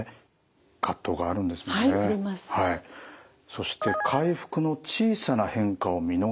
そして「回復の小さな変化を見逃さない」。